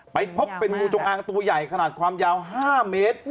ไปพบเป็นงูจงอางตัวใหญ่ขนาดความยาว๕เมตร